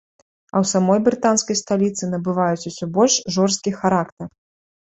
А ў самой брытанскай сталіцы набываюць усё больш жорсткі характар.